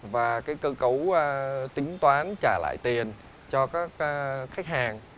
và cơ cấu tính toán trả lại tiền cho các khách hàng